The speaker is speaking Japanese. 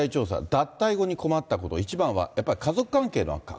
脱退後に困ったこと、１番はやっぱり家族関係の悪化。